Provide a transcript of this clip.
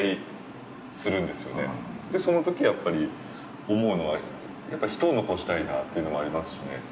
そのときやっぱり思うのはやっぱり人を残したいなというのもありますしね。